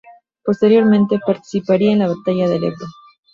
Posteriormente participaría en la batalla del Ebro.